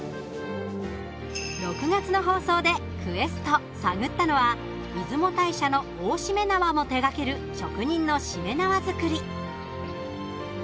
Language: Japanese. ６月の放送でクエスト探ったのは出雲大社の大しめ縄も手がける職人のしめ縄作り。